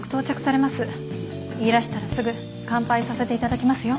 いらしたらすぐ乾杯させて頂きますよ。